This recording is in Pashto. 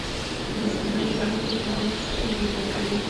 • د سهار باران د طبیعت سترګې پاکوي.